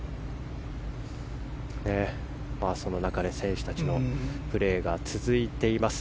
その中で選手たちのプレーが続いています。